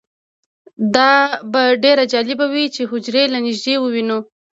دا به ډیره جالبه وي چې حجرې له نږدې ووینو